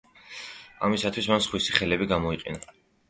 ამისათვის მან „სხვისი ხელები გამოიყენა“.